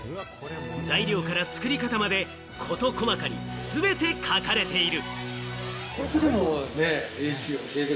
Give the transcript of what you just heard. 材料から作り方まで事細かに全て書かれている。